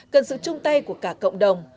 cần sự chung tay của cả cộng đồng